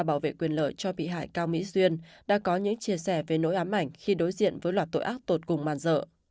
bảo vệ quyền lợi cho bị hại cao mỹ duyên đã có những chia sẻ về nỗi ám ảnh khi đối diện với loạt tội ác tột cùng màn dợ